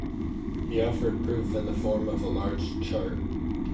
He offered proof in the form of a large chart.